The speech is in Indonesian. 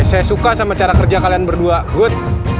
saya suka sama cara kerja kalian berdua good